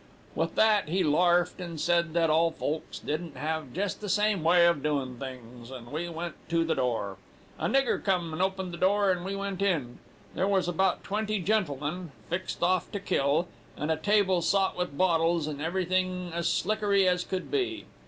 With that he larfed, and said that all folks didn't have jest the same way of doin' things, and we went tu the door. A nigger come and opened the door, and we went in. There was about twenty gentlemen, fixed off tu kill, and a table sot with bottles, and everything as slickery as could be.